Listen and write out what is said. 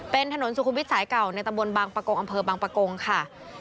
เป็นถนนสุขุมวิทย์สายเก่าในตำบลบางประกงอำเภอบางปะโกงค่ะ